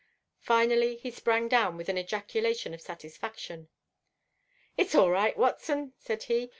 Finally he sprang down with an ejaculation of satisfaction. "It's all right, Watson," said he.